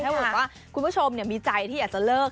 ถ้าเกิดว่าคุณผู้ชมมีใจที่อยากจะเลิก